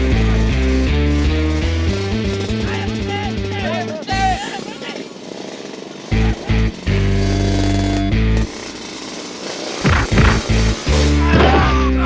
tidak ada yang bisa dipercaya